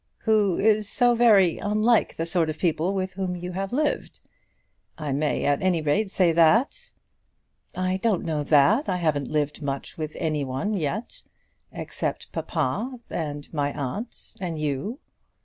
"Who is so very unlike the sort of people with whom you have lived. I may, at any rate, say that." "I don't know that. I haven't lived much with any one yet, except papa, and my aunt, and you."